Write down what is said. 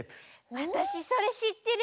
わたしそれしってる！